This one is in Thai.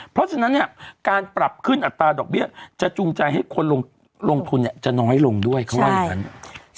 เพราะฉะนั้นเนี่ยการปรับขึ้นอัตราดอกเบี้ยจะจูงใจให้คนลงทุนจะน้อยลงด้วยเขาว่าอย่างนั้น